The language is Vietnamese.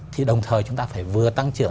thì đồng thời chúng ta phải vừa tăng trưởng